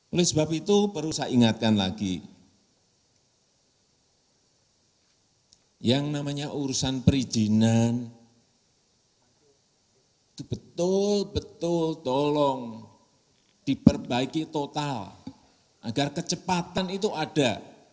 oleh sebab itu perlu saya ingatkan lagi yang namanya urusan perizinan itu betul betul tolong diperbaiki total agar kecepatan itu ada